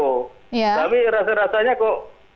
tapi rasa rasanya kok